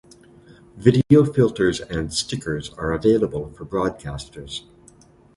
Video filters and stickers are available for broadcasters.